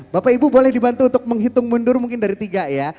bapak ibu boleh dibantu untuk menghitung mundur mungkin dari tiga ya